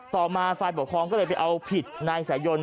ต่อมาฝ่ายปกครองก็เลยไปเอาผิดนายสายยน